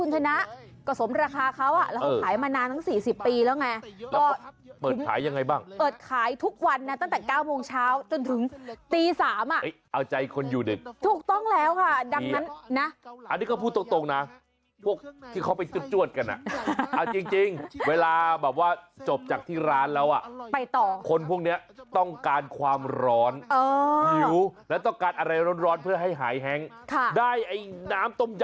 ตำรวจสนบางนาครับก็ตามหาเด็กคนนี้จนพบ